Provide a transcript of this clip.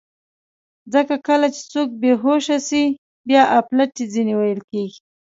ځکه کله چې څوک بېهوښه شي، بیا اپلتې ځینې ویل کېږي.